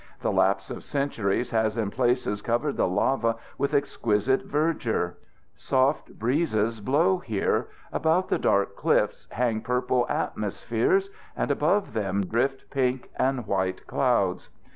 The lapse of centuries has in places covered the lava with exquisite verdure. Soft breezes blow here, about the dark cliffs hang purple atmospheres, and above them drift pink and white clouds.